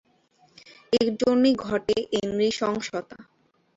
এর জন্যই ঘটে এই নৃশংসতা।